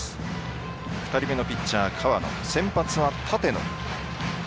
２人目のピッチャー河野先発は立野。